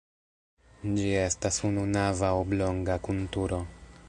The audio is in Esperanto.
Ĝi estas ununava oblonga kun turo.